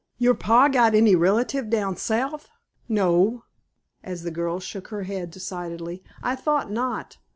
Your pa got any relative down South? No," (as the girl shook her head decidedly) "I thought not.